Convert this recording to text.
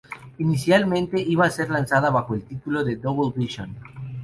Inicialmente iba a ser lanzada bajo el título de "Double Vision".